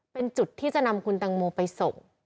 เป็นจุดที่จะนำคุณตังโมไปส่ง